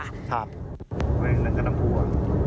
ไหนนั่งกับน้ำผู้อ่ะ